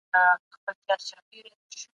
د ځمکې ټول اوسېدونکي د ژوند حق لري.